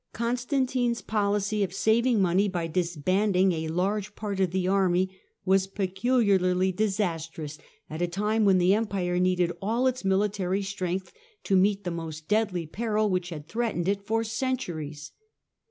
Constantine's policy of saving money by disbanding a large part of the army was peculiarly disastrous at a time when the Empire needed all its military strength to meet the most deadly peril which had threatened it for centuries.